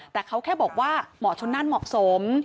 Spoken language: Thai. แต่เขาแค่บอกว่าหมอชนนั่นเหมาะสม